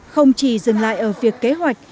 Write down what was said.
không chỉ dừng lại ở việc kế hoạch